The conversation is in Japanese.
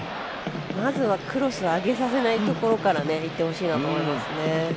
まずは、クロスを上げさせないところからいってほしいなと思いますね。